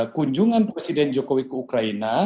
kunjungan presiden jokowi ke ukraina